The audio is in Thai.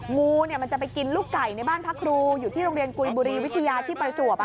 งูมันจะไปกินลูกไก่ในบ้านพระครูอยู่ที่โรงเรียนกุยบุรีวิทยาที่ประจวบ